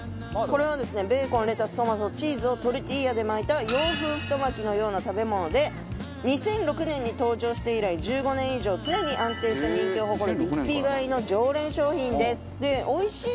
これはですねベーコンレタストマトチーズをトルティーヤで巻いた洋風太巻きのような食べ物で２００６年に登場して以来１５年以上常に安定した人気を誇るリピ買いの常連商品です。